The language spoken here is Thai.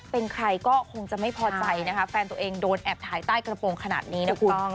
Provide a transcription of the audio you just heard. เป็นใครก็คงจะไม่พอใจนะคะแฟนตัวเองโดนแอบถ่ายใต้กระโปรงขนาดนี้นะคุณ